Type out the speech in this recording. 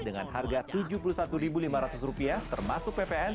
dengan harga rp tujuh puluh satu lima ratus termasuk ppn